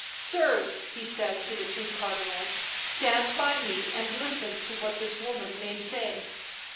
" Sirs," he said to the two Cardinals, " stand by me and listen to what this woman may say."